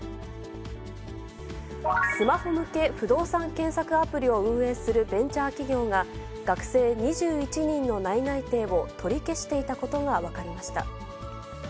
スマホ向け不動産検索アプリを運営するベンチャー企業が、学生２１人の内々定を取り消していたことが分かりました。